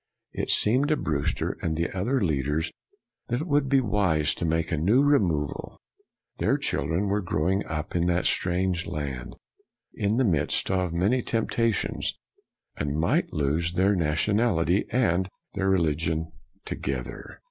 It seemed to Brewster and the other leaders that it would be wise to make a new removal. 202 BREWSTER Their children were growing up in that strange land, in the midst of many tempta tions, and might lose their nationality and their religion together.